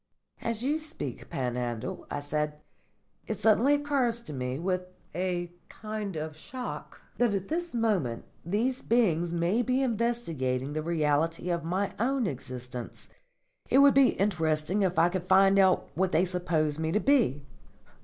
"As you speak, Panhandle," I said, "it suddenly occurs to me, with a kind of shock, that at this moment these beings may be investigating the reality of my own existence. It would be interesting if I could find out what they suppose me to be."